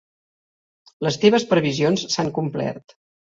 Les teves previsions s'han complert.